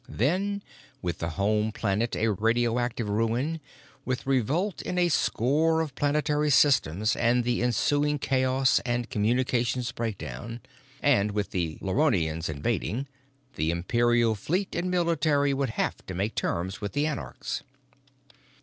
Then, with the home planet a radioactive ruin, with revolt in a score of planetary systems and the ensuing chaos and communications breakdown, and with the Luronians invading, the Imperial fleet and military would have to make terms with the anarchs.